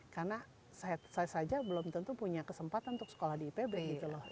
karena saya saja belum tentu punya kesempatan untuk sekolah di ipb gitu loh